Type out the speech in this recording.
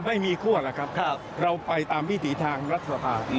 ไม่มีคั่วล่ะครับเราไปตามวิถีทางรัฐศาสตร์